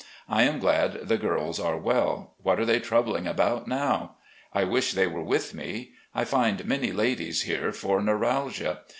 I am glad the girls are well; what are they troubling about now? I wish they were with me. I find many ladies here for neuralgia.